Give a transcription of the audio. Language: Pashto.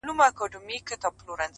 د عقیدت او عقيدې ابتدا څنګه اوکړم؟